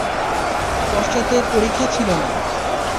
পশ্চাতে পরিখা ছিল না।